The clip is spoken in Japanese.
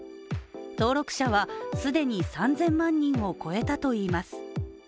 登録者は既に３０００万人を超えたといいます。